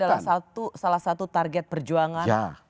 ini adalah salah satu target perjuangan